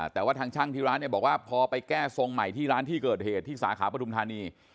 แต่ว่าทางช่างที่ร้านเนี่ยบอกว่าพอไปแก้ทรงใหม่ที่ร้านที่เกิดเหตุที่สาขาปฐุมธานี